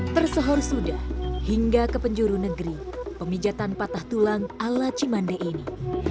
tersohor sudah hingga ke penjuru negeri pemijatan patah tulang ala cimande ini